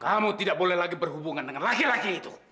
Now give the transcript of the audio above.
kamu tidak boleh lagi berhubungan dengan laki laki itu